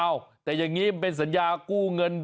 อ้าวแต่อย่างงี้เป็นสัญญากู้เงิน